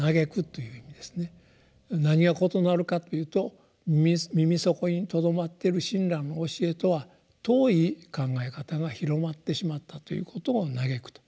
何が異なるかっていうと耳底に留まってる親鸞の教えとは遠い考え方が広まってしまったということを歎くと。